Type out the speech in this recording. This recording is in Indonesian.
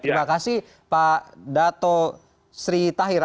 terima kasih pak dato sri tahir